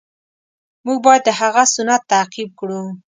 مونږ باید د هغه سنت تعقیب کړو.